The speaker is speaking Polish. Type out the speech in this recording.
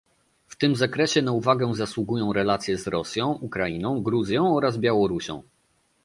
W tym zakresie na uwagę zasługują relacje z Rosją, Ukrainą, Gruzją oraz Białorusią